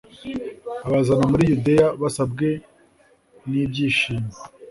abazana muri yudeya basabwe n'ibyishimo